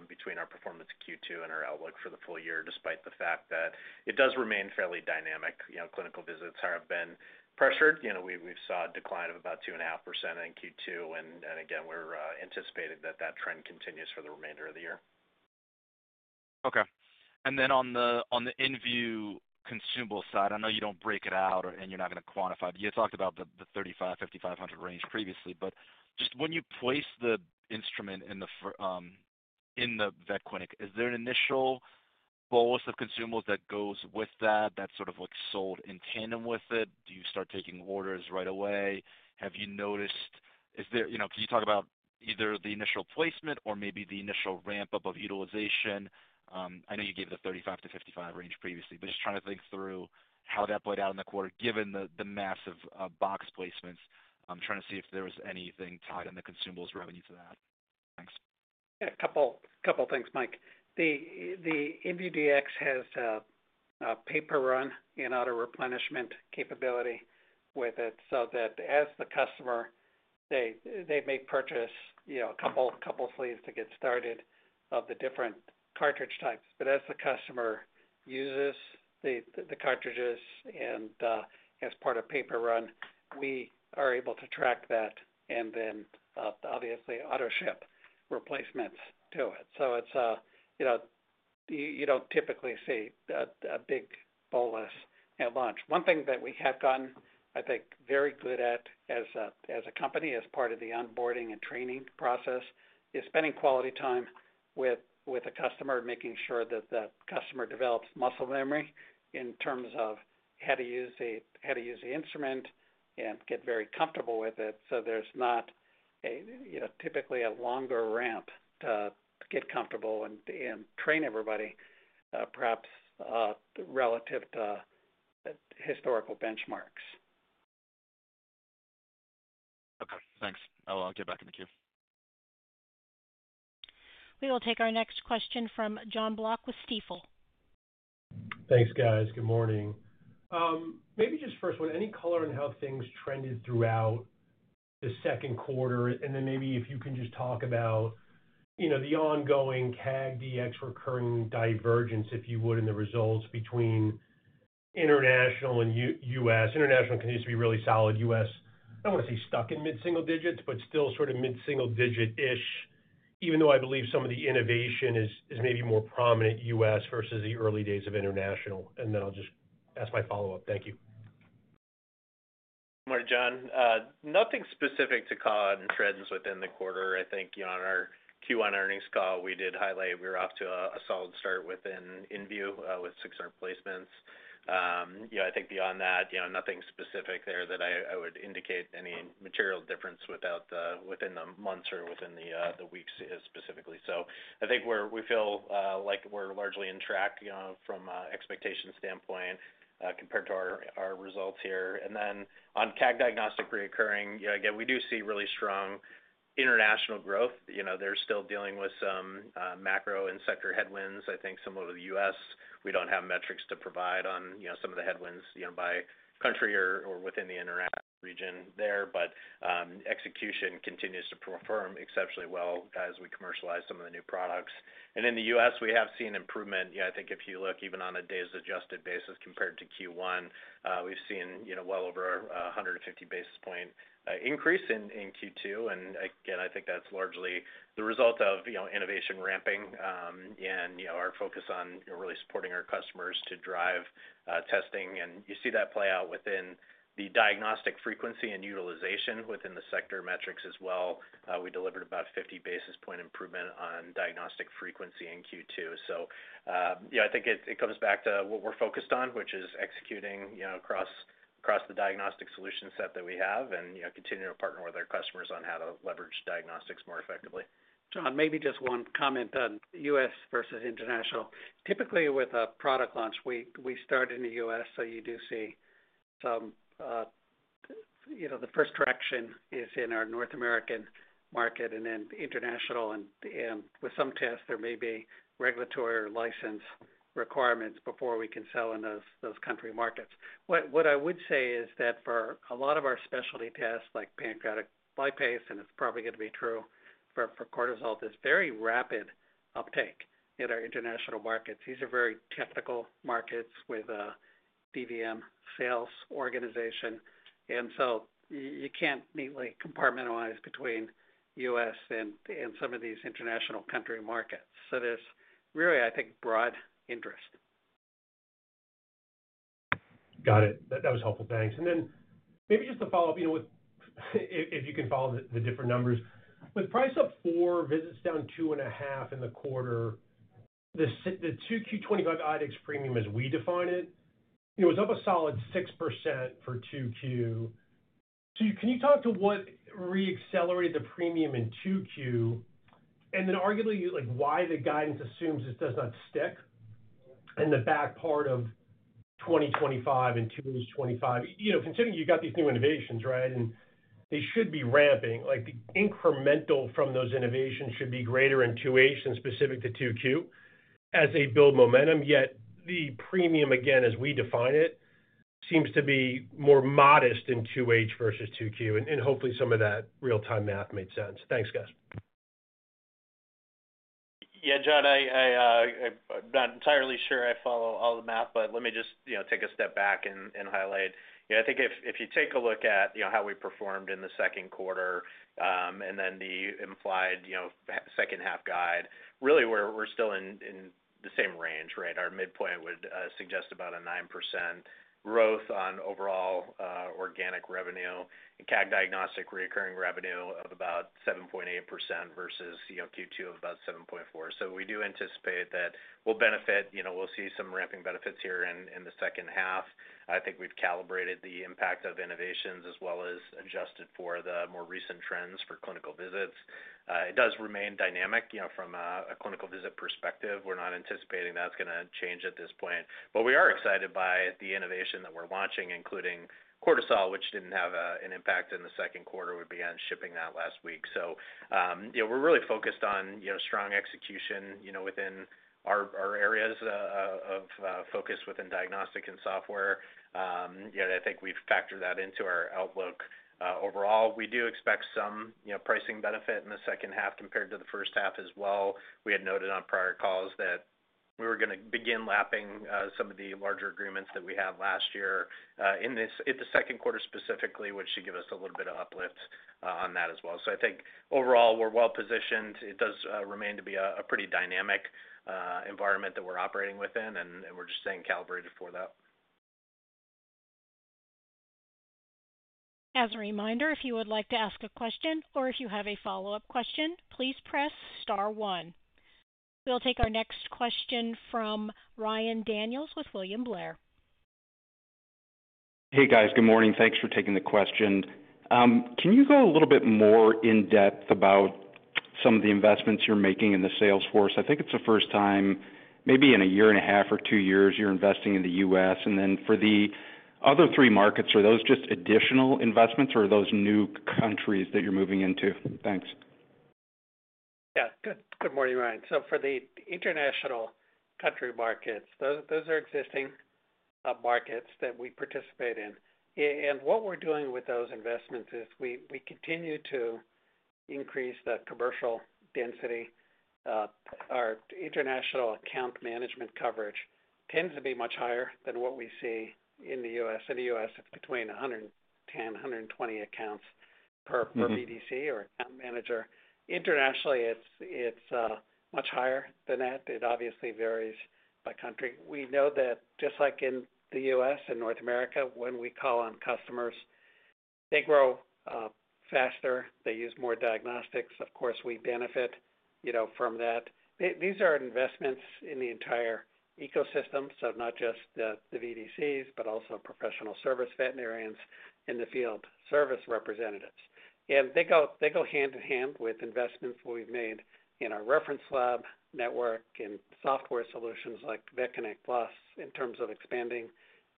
between our performance in Q2 and our outlook for the full year, despite the fact that it does remain fairly dynamic. Clinical visits have been pressured. We saw a decline of about 2.5% in Q2. We're anticipating that that trend continues for the remainder of the year. Okay. On the inVue consumable side, I know you don't break it out and you're not going to quantify, but you talked about the 3,500- 5,500 range previously. When you place the instrument in the vet clinic, is there an initial bolus of consumables that goes with that, that's sort of like sold in tandem with it? Do you start taking orders right away? Have you noticed, can you talk about either the initial placement or maybe the initial ramp-up of utilization? I know you gave the 3,500- 5,500 range previously, just trying to think through how that played out in the quarter, given the massive box placements, trying to see if there was anything tied in the consumables revenue to that. Thanks. Yeah, a couple of things, Mike. The inVue Dx has a paper run and auto-replenishment capability with it, so that as the customer, say they may purchase, you know, a couple of sleeves to get started of the different cartridge types. As the customer uses the cartridges and as part of paper run, we are able to track that and then obviously auto-ship replacements to it. You don't typically see a big bolus at launch. One thing that we have done, I think, very good at as a company, as part of the onboarding and training process, is spending quality time with a customer, making sure that the customer develops muscle memory in terms of how to use the instrument and get very comfortable with it. There's not a, you know, typically a longer ramp to get comfortable and train everybody, perhaps relative to historical benchmarks. Okay, thanks. I'll get back in the queue. We will take our next question from Jon Block with Stifel. Thanks, guys. Good morning. Maybe just first one, any color on how things trended throughout the second quarter? If you can just talk about, you know, the ongoing CAG Dx recurring divergence, if you would, in the results between international and U.S. International continues to be really solid. U.S., I don't want to say stuck in mid-single digits, but still sort of mid-single digit-ish, even though I believe some of the innovation is maybe more prominent U.S. versus the early days of international. I'll just ask my follow-up. Thank you. Morning, Jon. Nothing specific to call on trends within the quarter. I think on our Q1 earnings call, we did highlight we were off to a solid start within inVue with six-art placements. I think beyond that, nothing specific there that I would indicate any material difference within the months or within the weeks specifically. I think we feel like we're largely on track from an expectation standpoint compared to our results here. On CAG diagnostic recurring, again, we do see really strong international growth. They're still dealing with some macroeconomic and sector headwinds. I think some of the U.S., we don't have metrics to provide on some of the headwinds by country or within the international region there, but execution continues to perform exceptionally well as we commercialize some of the new products. In the U.S., we have seen improvement. I think if you look even on a days-adjusted basis compared to Q1, we've seen well over a 150 basis point increase in Q2. I think that's largely the result of innovation ramping and our focus on really supporting our customers to drive testing. You see that play out within the diagnostic frequency and utilization within the sector metrics as well. We delivered about a 50 basis point improvement on diagnostic frequency in Q2. I think it comes back to what we're focused on, which is executing across the diagnostic solution set that we have and continuing to partner with our customers on how to leverage diagnostics more effectively. Jon, maybe just one comment on U.S. versus international. Typically, with a product launch, we start in the U.S., so you do see some, you know, the first correction is in our North American market and then international. With some tests, there may be regulatory or license requirements before we can sell in those country markets. What I would say is that for a lot of our specialty tests like Pancreatic Lipase, and it's probably going to be true for Cortisol, there's very rapid uptake in our international markets. These are very technical markets with a DVM sales organization, and you can't neatly compartmentalize between U.S. and some of these international country markets. There's really, I think, broad interest. Got it. That was helpful. Thanks. Maybe just to follow up, if you can follow the different numbers, with price up 4%, visits down 2.5% in the quarter, the 2Q 2025 ADx premium, as we define it, was up a solid 6% for 2Q. Can you talk to what reaccelerated the premium in 2Q and then arguably why the guidance assumes this does not stick in the back part of 2025, considering you got these new innovations, right? They should be ramping, like the incremental from those innovations should be greater in 2H than specific to 2Q as they build momentum. Yet the premium, again, as we define it, seems to be more modest in 2H versus 2Q. Hopefully some of that real-time math made sense. Thanks, guys. Yeah, Jon, I'm not entirely sure I follow all the math, but let me just take a step back and highlight. I think if you take a look at how we performed in the second quarter, and then the implied second half guide, really we're still in the same range, right? Our midpoint would suggest about a 9% growth on overall organic revenue and CAG diagnostic recurring revenue of about 7.8% versus Q2 of about 7.4%. We do anticipate that we'll benefit, we'll see some ramping benefits here in the second half. I think we've calibrated the impact of innovations as well as adjusted for the more recent trends for clinical visits. It does remain dynamic from a clinical visit perspective. We're not anticipating that's going to change at this point. We are excited by the innovation that we're launching, including Cortisol, which didn't have an impact in the second quarter. We began shipping that last week. We're really focused on strong execution within our areas of focus within diagnostic and software. I think we've factored that into our outlook overall. We do expect some pricing benefit in the second half compared to the first half as well. We had noted on prior calls that we were going to begin lapping some of the larger agreements that we had last year in the second quarter specifically, which should give us a little bit of uplift on that as well. I think overall we're well positioned. It does remain to be a pretty dynamic environment that we're operating within, and we're just staying calibrated for that. As a reminder, if you would like to ask a question or if you have a follow-up question, please press star one. We'll take our next question from Ryan Daniels with William Blair. Hey guys, good morning. Thanks for taking the question. Can you go a little bit more in depth about some of the investments you're making in the sales force? I think it's the first time, maybe in a year and a half or two years, you're investing in the U.S. For the other three markets, are those just additional investments or are those new countries that you're moving into? Thanks. Good morning, Ryan. For the international country markets, those are existing markets that we participate in. What we're doing with those investments is we continue to increase the commercial density. Our international account management coverage tends to be much higher than what we see in the U.S. In the U.S., it's between 110, 120 accounts per BDC or account manager. Internationally, it's much higher than that. It obviously varies by country. We know that just like in the U.S. and North America, when we call on customers, they grow faster, they use more diagnostics. Of course, we benefit from that. These are investments in the entire ecosystem, so not just the BDCs, but also professional service veterinarians in the field, service representatives. They go hand in hand with investments we've made in our reference lab network and software solutions like VetConnect PLUS in terms of expanding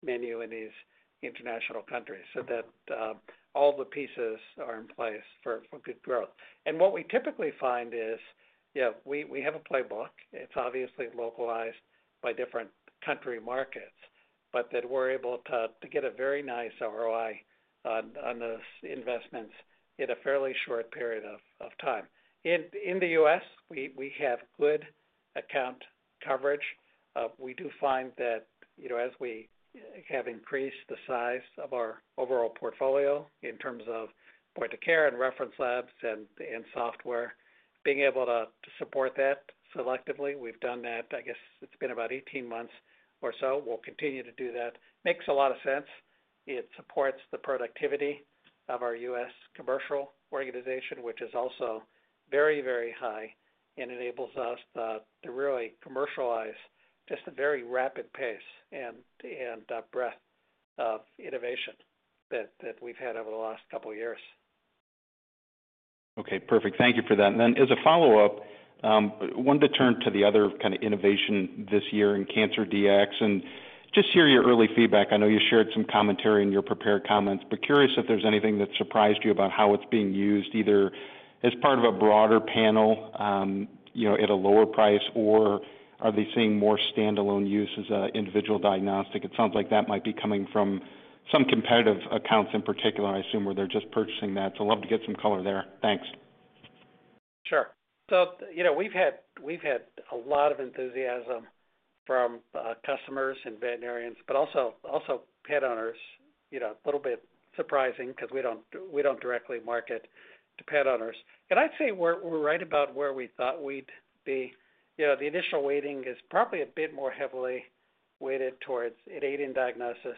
menu in these international countries so that all of the pieces are in place for good growth. What we typically find is we have a playbook. It's obviously localized by different country markets, but we're able to get a very nice ROI on those investments in a fairly short period of time. In the U.S., we have good account coverage. We do find that as we have increased the size of our overall portfolio in terms of point of care and reference labs and software, being able to support that selectively, we've done that, I guess it's been about 18 months or so. We'll continue to do that. It makes a lot of sense. It supports the productivity of our U.S. commercial organization, which is also very, very high and enables us to really commercialize just a very rapid pace and breadth of innovation that we've had over the last couple of years. Okay, perfect. Thank you for that. As a follow-up, I wanted to turn to the other kind of innovation this year in Cancer Dx and just hear your early feedback. I know you shared some commentary in your prepared comments, but curious if there's anything that surprised you about how it's being used either as part of a broader panel, you know, at a lower price, or are they seeing more standalone use as an individual diagnostic? It sounds like that might be coming from some competitive accounts in particular, I assume, where they're just purchasing that. I'd love to get some color there. Thanks. Sure. We've had a lot of enthusiasm from customers and veterinarians, but also pet owners. It's a little bit surprising because we don't directly market to pet owners. I'd say we're right about where we thought we'd be. The initial weighting is probably a bit more heavily weighted towards aiding diagnosis.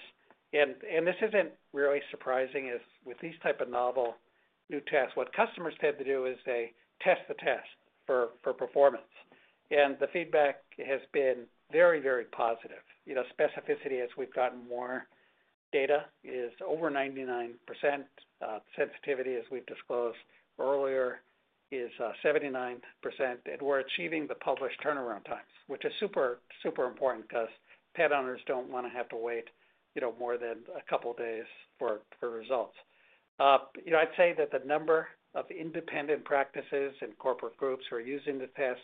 This isn't really surprising as with these types of novel new tests, what customers tend to do is they test the test for performance. The feedback has been very, very positive. Specificity, as we've gotten more data, is over 99%. Sensitivity, as we've disclosed earlier, is 79%. We're achieving the published turnaround times, which is super, super important because pet owners don't want to have to wait more than a couple of days for results. I'd say that the number of independent practices and corporate groups who are using the test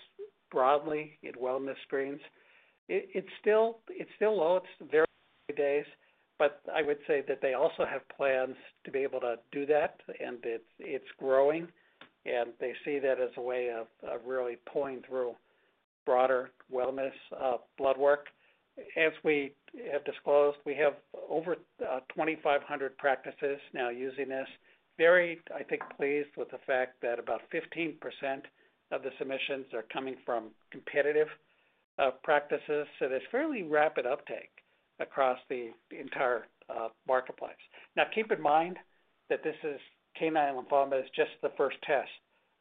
broadly in wellness screens is still low. It's very few days, but I would say that they also have plans to be able to do that and it's growing. They see that as a way of really pulling through broader wellness blood work. As we have disclosed, we have over 2,500 practices now using this. Very, I think, pleased with the fact that about 15% of the submissions are coming from competitive practices. There's fairly rapid uptake across the entire marketplace. Keep in mind that this is canine lymphoma, just the first test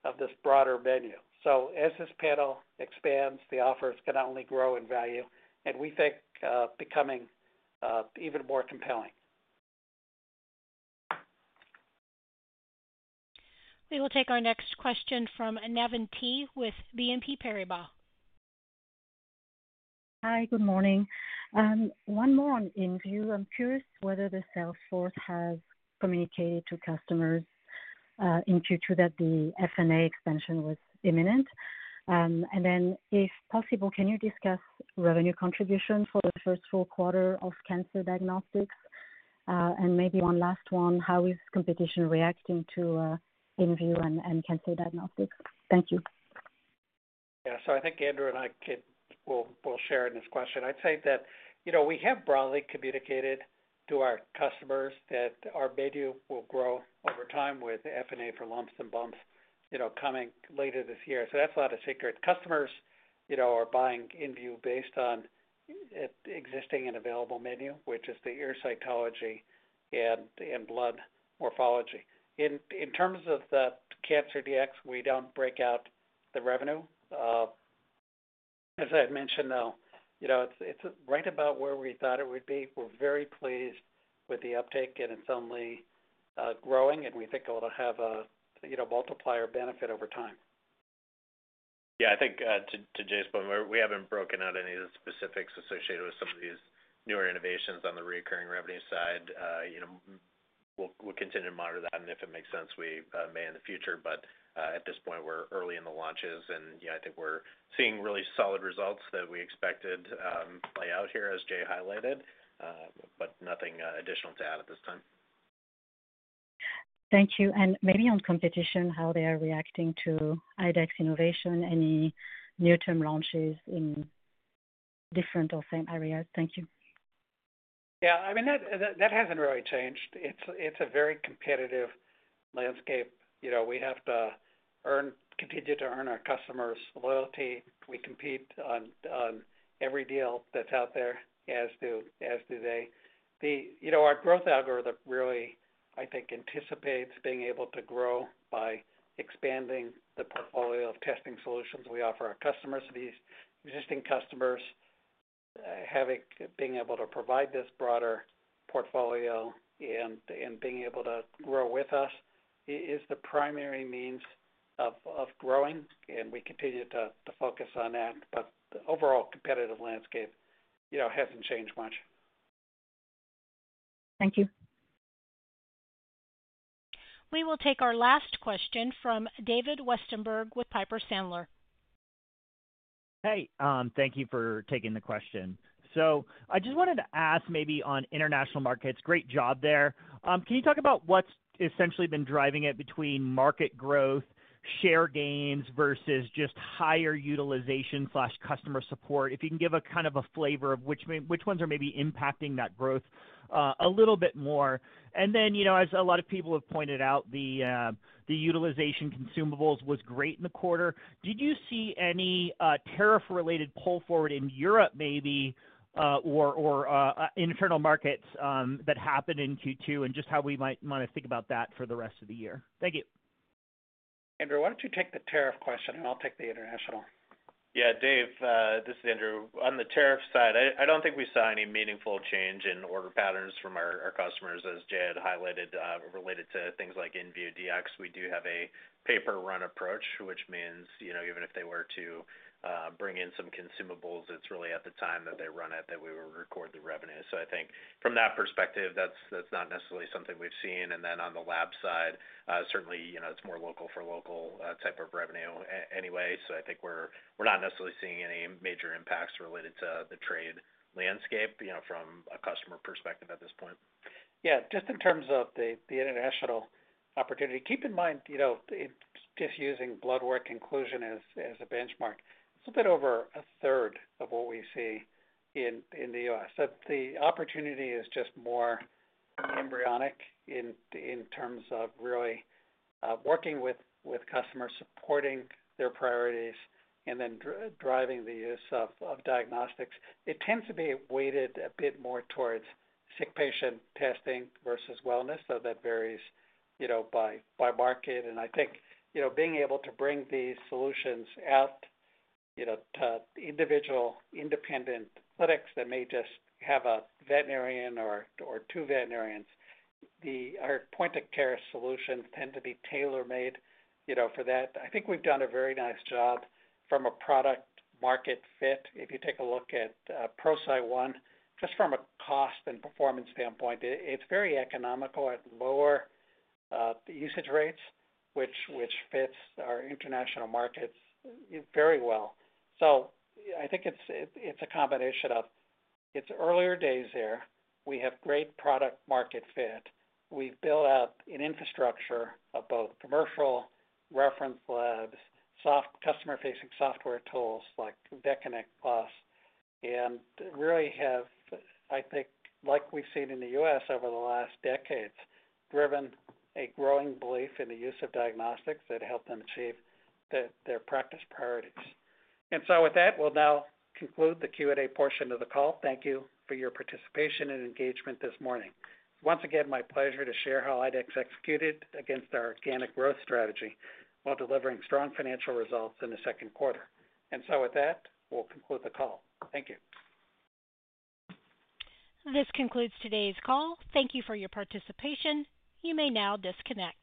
of this broader venue. As this panel expands, the offers can only grow in value and we think becoming even more compelling. We will take our next question from Navann Ty with BNP Paribas. Hi, good morning. One more on inVue. I'm curious whether the sales force has communicated to customers in Q2 that the FNA expansion was imminent. If possible, can you discuss revenue contribution for the first full quarter of cancer diagnostics? Maybe one last one, how is competition reacting to inVue and cancer diagnostics? Thank you. I think Andrew and I can share in this question. I'd say that we have broadly communicated to our customers that our menu will grow over time with FNA for lumps and bumps coming later this year. That's not a secret. Customers are buying inVue based on an existing and available menu, which is the ear cytology and blood morphology. In terms of the Cancer Dx, we don't break out the revenue. As I had mentioned, it's right about where we thought it would be. We're very pleased with the uptake and it's only growing and we think it'll have a multiplier benefit over time. Yeah, I think to Jay's point, we haven't broken out any of the specifics associated with some of these newer innovations on the recurring revenue side. We'll continue to monitor that, and if it makes sense, we may in the future. At this point, we're early in the launches, and I think we're seeing really solid results that we expected to lay out here as Jay highlighted, but nothing additional to add at this time. Thank you. Maybe on competition, how they are reacting to IDEXX innovation, any near-term launches in different or same areas? Thank you. Yeah, I mean, that hasn't really changed. It's a very competitive landscape. We have to continue to earn our customers' loyalty. We compete on every deal that's out there, as do they. Our growth algorithm really, I think, anticipates being able to grow by expanding the portfolio of testing solutions we offer our customers. These existing customers being able to provide this broader portfolio and being able to grow with us is the primary means of growing, and we continue to focus on that. The overall competitive landscape hasn't changed much. Thank you. We will take our last question from David Westenberg with Piper Sandler. Thank you for taking the question. I just wanted to ask maybe on international markets, great job there. Can you talk about what's essentially been driving it between market growth, share gains versus just higher utilization or customer support? If you can give a kind of a flavor of which ones are maybe impacting that growth a little bit more. As a lot of people have pointed out, the utilization consumables was great in the quarter. Did you see any tariff-related pull forward in Europe maybe or in international markets that happened in Q2 and just how we might want to think about that for the rest of the year? Thank you. Andrew, why don't you take the tariff question, and I'll take the international? Yeah, Dave, this is Andrew. On the tariff side, I don't think we saw any meaningful change in order patterns from our customers, as Jay had highlighted, related to things like inVue Dx. We do have a paper run approach, which means, you know, even if they were to bring in some consumables, it's really at the time that they run it that we would record the revenue. I think from that perspective, that's not necessarily something we've seen. On the lab side, certainly, it's more local for local type of revenue anyway. I think we're not necessarily seeing any major impacts related to the trade landscape, you know, from a customer perspective at this point. Yeah, just in terms of the international opportunity, keep in mind, just using blood work inclusion as a benchmark, it's a little bit over a third of what we see in the U.S. The opportunity is just more embryonic in terms of really working with customers, supporting their priorities, and then driving the use of diagnostics. It tends to be weighted a bit more towards sick patient testing versus wellness, though that varies by market. I think being able to bring these solutions out to individual independent clinics that may just have a veterinarian or two veterinarians, our point of care solutions tend to be tailor-made for that. I think we've done a very nice job from a product-market fit. If you take a look at ProCyte One, just from a cost and performance standpoint, it's very economical at lower usage rates, which fits our international markets very well. I think it's a combination of its earlier days there. We have great product-market fit. We build out an infrastructure of both commercial reference labs, soft customer-facing software tools like VetConnect PLUS, and really have, I think, like we've seen in the U.S. over the last decades, driven a growing belief in the use of diagnostics that helped them achieve their practice priorities. With that, we'll now conclude the Q&A portion of the call. Thank you for your participation and engagement this morning. Once again, my pleasure to share how IDEXX executed against our organic growth strategy while delivering strong financial results in the second quarter. With that, we'll conclude the call. Thank you. This concludes today's call. Thank you for your participation. You may now disconnect.